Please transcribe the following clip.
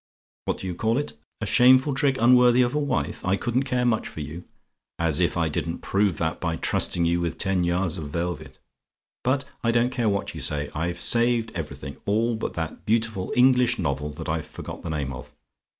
"What do you call it? "A SHAMEFUL TRICK UNWORTHY OF A WIFE? I COULDN'T CARE MUCH FOR YOU? "As if I didn't prove that by trusting you with ten yards of velvet. But I don't care what you say: I've saved everything all but that beautiful English novel, that I've forgot the name of.